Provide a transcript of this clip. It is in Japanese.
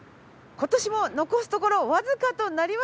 今年も残すところわずかとなりました。